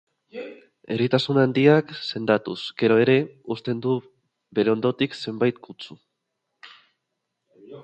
Eritasun handiak, sendatuz gero ere, uzten du bere ondotik zenbait kutsu.